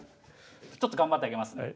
ちょっと頑張って上げますね。